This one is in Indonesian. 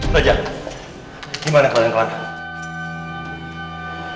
raja gimana kalian kalian